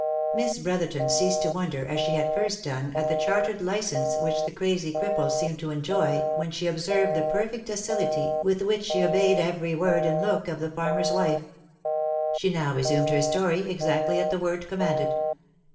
Miss Brotherton ceased to wonder, as she had first done, at the chartered licence which the crazy cripple seemed to enjoy, when she observed the perfect docility with which she obeyed every word and look of the farmer's wife. She now resumed her story, exactly at the word commanded.